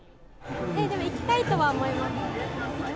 でも行きたいとは思います。